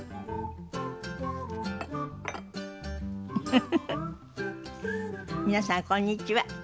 フフフフ皆さんこんにちは。